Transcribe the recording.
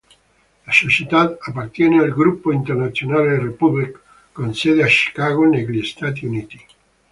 La società appartiene al gruppo internazionale Republic, con sede a Chicago negli Stati Uniti.